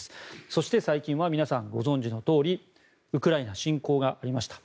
そして、最近は皆さんご存じのとおりウクライナ侵攻がありました。